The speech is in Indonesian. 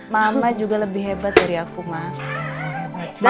mama juga lebih hebat dari aku mah